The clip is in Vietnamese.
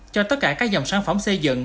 cho tất cả các dòng sản phẩm xây dựng